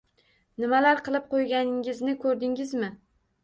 Nimalar qilib qo`yganingizni ko`rdingizmi